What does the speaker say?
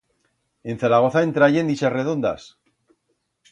En Zaragoza en trayen d'ixas redondas.